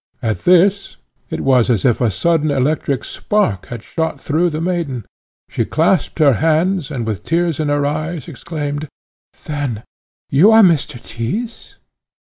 At this, it was as if a sudden electric spark had shot through the maiden; she clasped her hands, and, with tears in her eyes, exclaimed, "Then you are Mr. Tyss?"